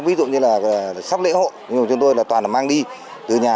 ví dụ như là sắp lễ hội nhưng mà chúng tôi là toàn là mang đi từ nhà